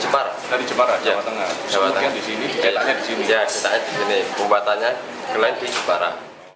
pembuatannya gelang di jepara